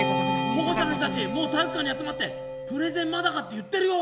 保護者の人たちもう体育館に集まって「プレゼンまだか」って言ってるよ！